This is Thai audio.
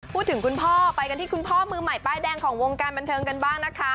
คุณพ่อไปกันที่คุณพ่อมือใหม่ป้ายแดงของวงการบันเทิงกันบ้างนะคะ